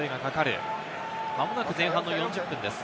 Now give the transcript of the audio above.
まもなく前半の４０分です。